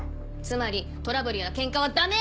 つまりトラブルやケンカはダメ！